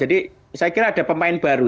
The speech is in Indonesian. jadi saya kira ada pemain baru